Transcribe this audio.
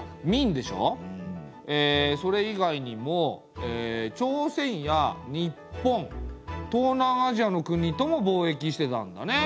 えそれ以外にも朝鮮や日本東南アジアの国とも貿易してたんだね。